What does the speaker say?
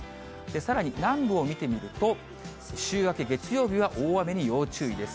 さらに南部を見てみると、週明け月曜日は大雨に要注意です。